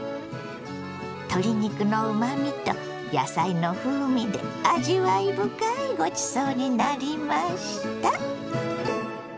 鶏肉のうまみと野菜の風味で味わい深いごちそうになりました。